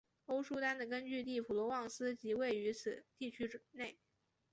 欧舒丹的根据地普罗旺斯即位于此地区内。